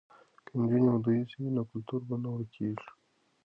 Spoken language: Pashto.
که نجونې دودیزې وي نو کلتور به نه ورکيږي.